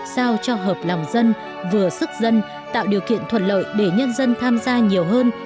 sao cho hợp lòng dân vừa sức dân tạo điều kiện thuận lợi để nhân dân tham gia nhiều hơn